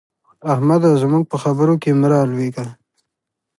احمده! زموږ په خبرو کې مه رالوېږه.